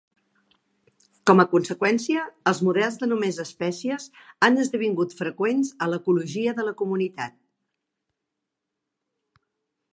Com a conseqüència, els models de només espècies han esdevingut freqüents a l'ecologia de la comunitat.